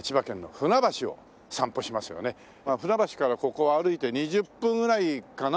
船橋からここは歩いて２０分ぐらいかな。